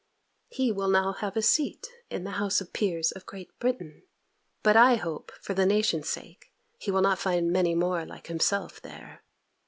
He will now have a seat in the House of Peers of Great Britain; but I hope, for the nation's sake, he will not find many more like himself there!